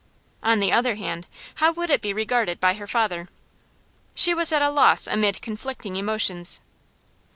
On the other hand, how would it be regarded by her father? She was at a loss amid conflicting emotions.